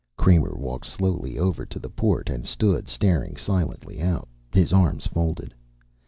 Kramer walked slowly over to the port and stood staring silently out, his arms folded.